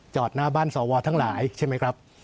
หน้าบ้านสวทั้งหลายใช่ไหมครับ